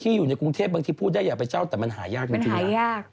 อยู่ในกรุงเทพบางทีพูดได้อย่าไปเจ้าแต่มันหายากจริงหายาก